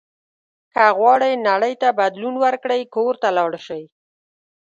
که غواړئ نړۍ ته بدلون ورکړئ کور ته لاړ شئ.